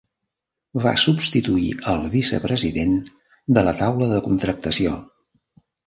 Va substituir al Vicepresident de la Taula de Contractació.